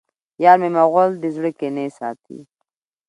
یارمی مغل د زړه کینې ساتي